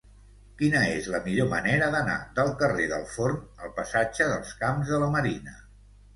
Quina és la millor manera d'anar del carrer del Forn al passatge dels Camps de la Marina?